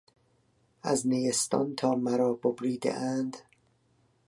از نیستان تا مرا ببریدهاند...